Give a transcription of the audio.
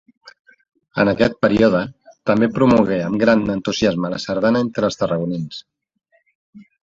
En aquest període, també promogué amb gran entusiasme la sardana entre els tarragonins.